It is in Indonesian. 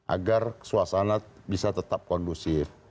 agar suasana bisa tetap kondusif